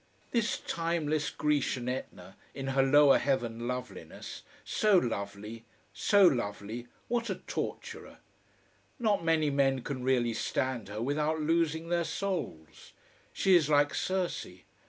This timeless Grecian Etna, in her lower heaven loveliness, so lovely, so lovely, what a torturer! Not many men can really stand her, without losing their souls. She is like Circe.